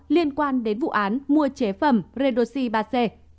liên quan đến vụ án mua chế phẩm redoxi ba c